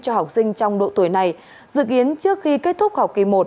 cho học sinh trong độ tuổi này dự kiến trước khi kết thúc học kỳ một